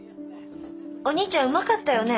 おにいちゃんうまかったよね